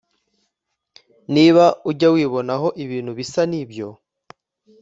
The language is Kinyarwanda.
niba ujya wibonaho ibintu bisa n’ibyo